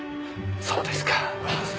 そうですか。